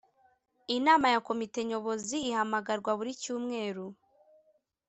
inama ya komite nyobozi ihamagarwa buri cyuweru